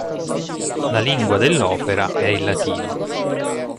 La lingua dell'opera è il latino.